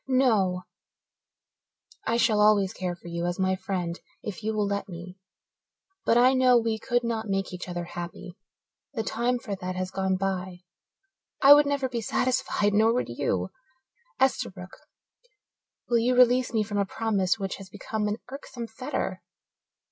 "No I shall always care for you as my friend if you will let me. But I know we could not make each other happy the time for that has gone by. I would never be satisfied, nor would you. Esterbrook, will you release me from a promise which has become an irksome fetter?"